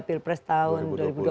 pilpres tahun dua ribu dua puluh